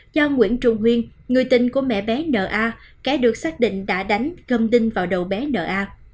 theo ông huyên người tình của mẹ bé n a kẻ được xác định đã đánh gầm đinh vào đầu bé n a